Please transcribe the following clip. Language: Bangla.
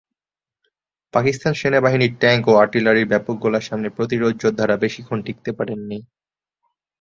পাকিস্তান সেনাবাহিনীর ট্যাংক ও আর্টিলারির ব্যাপক গোলার সামনে প্রতিরোধ যোদ্ধারা বেশিক্ষণ টিকতে পারেননি।